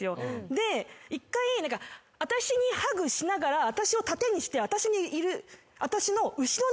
で１回私にハグしながら私を盾にして。